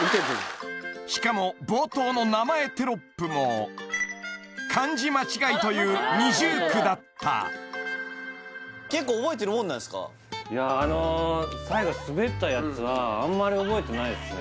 しかも冒頭の名前テロップも漢字間違いという二重苦だったいやはあんまり覚えてないっすね